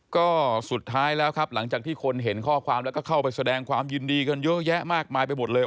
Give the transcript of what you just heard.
ก็สุดท้ายแล้วครับหลังจากที่คนเห็นข้อความแล้วก็เข้าไปแสดงความยินดีกันเยอะแยะมากมายไปหมดเลย